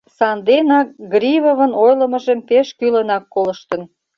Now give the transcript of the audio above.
Санденак Гривовын ойлымыжым пеш кӱлынак колыштын.